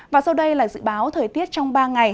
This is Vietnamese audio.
và sau đây là dự báo thời tiết trong ba ngày